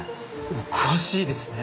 お詳しいですね。